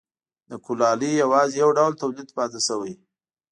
د کولالۍ یوازې یو ډول تولید پاتې شو.